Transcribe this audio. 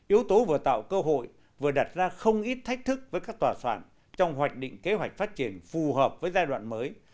yếu tố vừa tạo cơ hội vừa đặt ra không ít thách thức với các tòa soạn trong hoạch định kế hoạch phát triển phù hợp với giai đoạn mới